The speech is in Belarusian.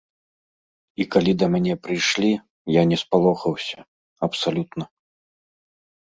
І калі да мяне прыйшлі, я не спалохаўся, абсалютна.